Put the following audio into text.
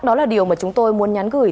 đó là điều mà chúng tôi muốn nhắn gửi